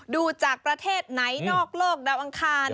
ดูจากประเทศไหนนอกโลกดาวอังคาร